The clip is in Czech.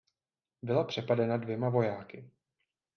Byla přepadena dvěma vojáky.